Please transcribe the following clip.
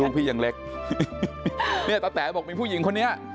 พี่ยังเล็กเนี่ยตะแต๋บอกมีผู้หญิงคนนี้